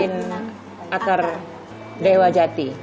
ain akar dewa jati